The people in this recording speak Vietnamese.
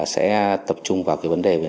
sẽ tập trung vào cái vấn đề về